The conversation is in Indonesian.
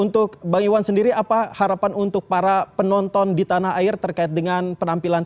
untuk bang iwan sendiri apa harapan untuk para penonton di tanah air terkait dengan penampilan